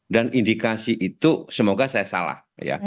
dan indikasi itu semoga saya salah